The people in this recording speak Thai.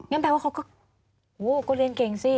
แปลว่าเขาก็เรียนเก่งสิ